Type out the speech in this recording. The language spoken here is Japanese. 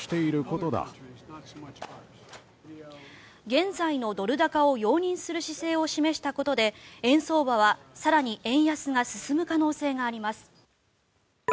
現在のドル高を容認する姿勢を示したことで円相場は更に円安が進む可能性があります。